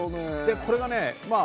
これがね